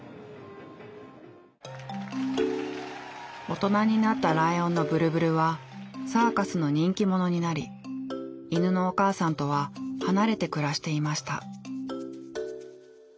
大人になったライオンのブルブルはサーカスの人気者になり犬のお母さんとは離れて暮らしていました。